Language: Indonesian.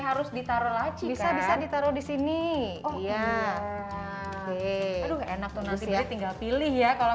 harus ditaruh lagi bisa bisa ditaruh di sini aduh enak tuh nanti tinggal pilih ya kalau